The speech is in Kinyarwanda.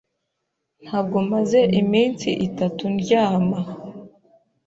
Ntabwo maze iminsi itatu ndyama.